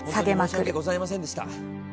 申し訳ございませんでした。